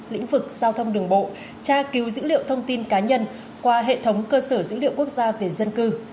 lĩnh vực giao thông đường bộ tra cứu dữ liệu thông tin cá nhân qua hệ thống cơ sở dữ liệu quốc gia về dân cư